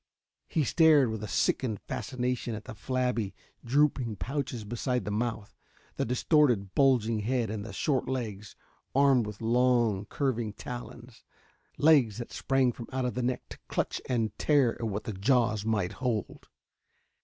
He stared with a sickened fascination at the flabby, drooping pouches beside the mouth, the distorted, bulging head and the short legs, armed with long, curving talons legs that sprang from out the neck to clutch and tear at what the jaws might hold.